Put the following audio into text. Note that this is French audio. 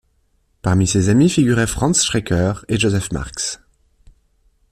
Parmi ses amis figuraient Franz Schreker et Joseph Marx.